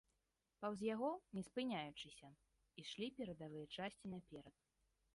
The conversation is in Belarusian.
Паўз яго, не спыняючыся, ішлі перадавыя часці наперад.